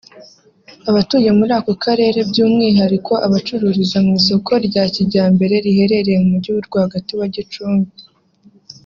Abatuye muri ako Karere by’umwihariko abacururiza mu isoko rya kijyambere riherereye mu mujyi rwagati wa Gicumbi